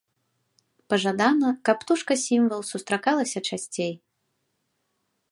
Пажадана, каб птушка-сімвал сустракалася часцей.